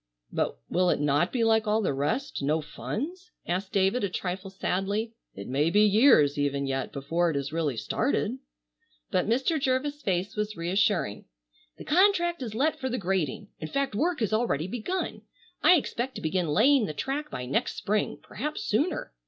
"But will it not be like all the rest, no funds?" asked David a trifle sadly. "It may be years even yet before it is really started." But Mr. Jervis' face was reassuring. "The contract is let for the grading. In fact work has already begun. I expect to begin laying the track by next Spring, perhaps sooner.